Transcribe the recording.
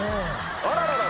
あらららら！